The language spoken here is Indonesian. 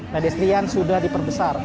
dan istrian sudah diperbesar